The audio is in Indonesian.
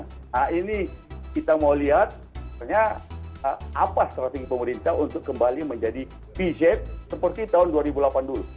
nah ini kita mau lihat apa strategi pemerintah untuk kembali menjadi vz seperti tahun dua ribu delapan dulu